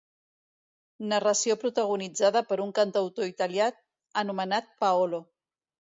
Narració protagonitzada per un cantautor italià anomenat Paolo.